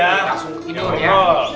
langsung tidur ya